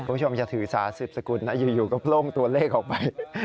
คุณผู้ชมอย่าถือสาสืบสกุลนะอยู่ก็โพร่งตัวเลขออกไป